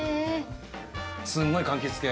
すごいかんきつ系。